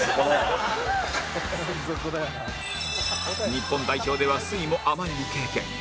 日本代表では酸いも甘いも経験